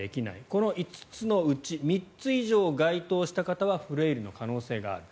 この５つのうち３つ以上該当した方はフレイルの可能性がある。